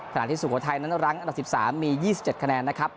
ขณะที่สุโขทัยนั้นรั้งอันดับสิบสามมียี่สิบเจ็ดคะแนนนะครับ